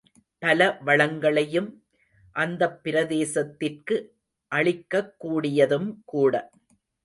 பல வளங்களையும் அந்தப் பிரதேசத்திற்கு அளிக்கக் கூடியதும்கூட.